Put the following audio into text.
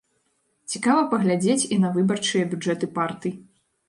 Цікава паглядзець і на выбарчыя бюджэты партый.